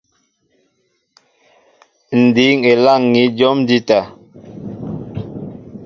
Ǹ dǐŋ elâŋ̀i jǒm njíta.